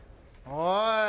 おい！